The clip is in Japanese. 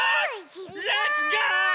レッツゴー！